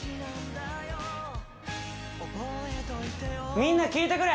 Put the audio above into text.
みんな聞いてくれ！